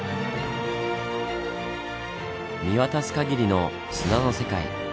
見渡すかぎりの砂の世界。